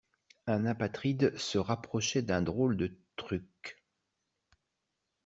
Une apatride se rapprochait d'un drôle de truc.